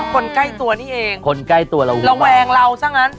คนใกล้ตัวนี่เองคนใกล้ตัวเราเองระแวงเราซะงั้น